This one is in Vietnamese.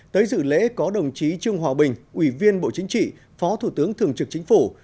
tới dự lễ có đồng chí trương hòa bình ủy viên bộ chính trị phó thủ tướng thường trực chính phủ